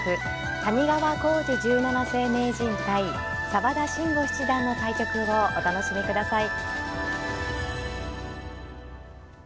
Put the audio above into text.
谷川浩司十七世名人対澤田真吾七段の対局をお楽しみください。